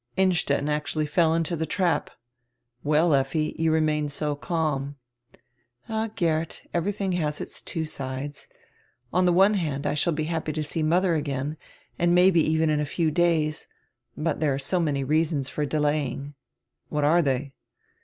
Innstetten actually fell into tlie trap. "Well, Effi, you remain so calm." "All, Geert, everything has its two sides. On the one hand I shall he happy to see mother again, and maybe even in a few days. But there are so many reasons for delaying." "What are they?"